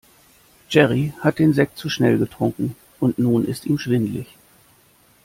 Jerry hat den Sekt zu schnell getrunken und nun ist ihm schwindelig.